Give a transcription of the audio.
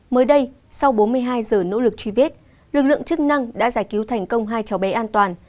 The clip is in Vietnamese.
mới đây sau bốn mươi hai giờ nỗ lực truy vết lực lượng chức năng đã giải cứu thành công hai cháu bé an toàn